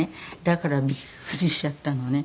だからびっくりしちゃったのね。